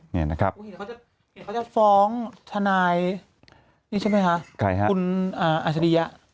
เห็นเขาจะฟ้องทนายนี่ใช่ไหมคะคุณอาชดียะ